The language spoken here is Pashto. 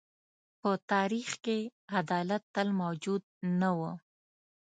په تاریخ کې عدالت تل موجود نه و.